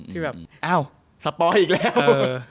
ที่แบบอ้าวสปอยอีกแล้ว